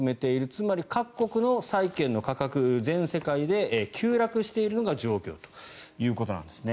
つまり各国の債券の価格全世界で急落しているのが状況ということなんですね。